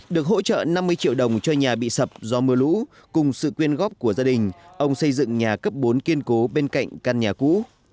được hỗ trợ năm mươi triệu đồng cho nhà bị sập do mưa lũ cùng sự quyên góp của gia đình ông xây dựng nhà cấp bốn kiên cố bên cạnh căn nhà cũ